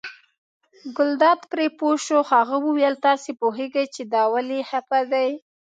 ګلداد پرې پوه شو، هغه وویل تاسې پوهېږئ چې دا ولې خپه دی.